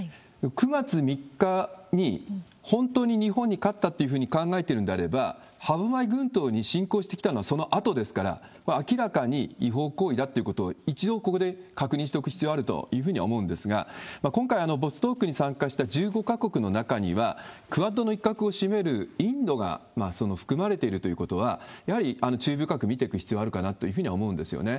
９月３日に本当に日本に勝ったっていうふうに考えているんであれば、歯舞群島に侵攻してきたのはそのあとですから、明らかに違法行為だということを、一度ここで確認しておく必要あるというふうには思うんですが、今回、ボストークに参加した１５か国の中には、クアッドの一角を占めるインドが含まれているということは、やはり注意深く見ていく必要があるかなというふうには思うんですよね。